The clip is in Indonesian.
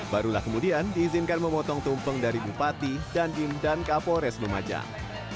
barulah kemudian diizinkan memotong tumpeng dari bupati dandim dan kapolres lumajang